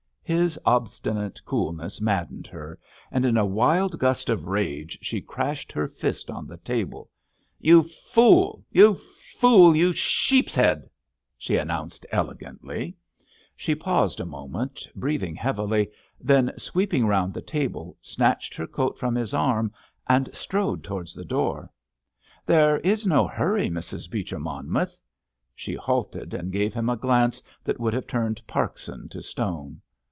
His obstinate coolness maddened her, and in a wild gust of rage she crashed her fist on the table. "You fool! You fool! You sheep's head!" she announced, elegantly. She paused a moment, breathing heavily, then sweeping round the table, snatched her coat from his arm and strode towards the door. "There is no hurry, Mrs. Beecher Monmouth——" She halted and gave him a glance that would have turned Parkson to stone.